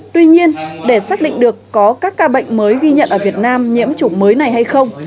tuy nhiên để xác định được có các ca bệnh mới ghi nhận ở việt nam nhiễm chủng mới này hay không